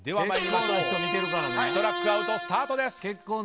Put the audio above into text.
ストラックアウト、スタート！